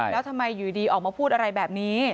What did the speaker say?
แล้วทำไมอยู่ดีออกมาพูดอะไรแบบนี้